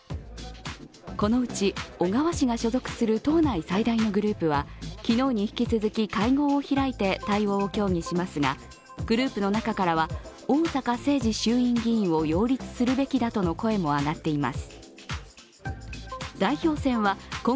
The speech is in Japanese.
このうち、小川氏が所属する党内最大のグループは昨日に引き続き会合を開いて、対応を協議しますがグループの中からは逢坂誠二衆院議員を擁立するべきだとの声も上がっています。